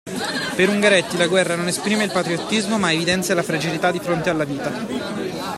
Per Ungaretti la guerra non esprime il patriottismo ma evidenzia la fragilità di fronte alla vita.